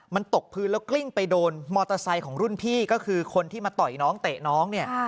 มันตกพื้นแล้วกลิ้งไปโดนมอเตอร์ไซค์ของรุ่นพี่ก็คือคนที่มาต่อยน้องเตะน้องเนี่ย